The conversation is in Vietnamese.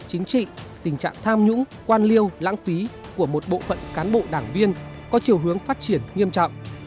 chính trị tình trạng tham nhũng quan liêu lãng phí của một bộ phận cán bộ đảng viên có chiều hướng phát triển nghiêm trọng